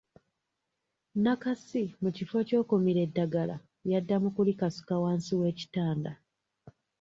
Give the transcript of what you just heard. Nakasi mu kifo ky’okumira eddagala yadda mu kulikasuka wansi w’ekitanda.